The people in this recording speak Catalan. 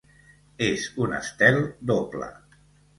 És un estel doble.